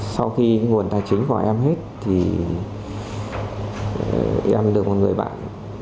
sau khi nguồn tài chính của em hết thì em được một người bạn